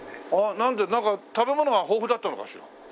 なんでなんか食べ物が豊富だったのかしら？